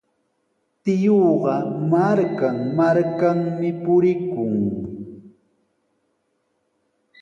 Tiyuuqa markan-markanmi purikun.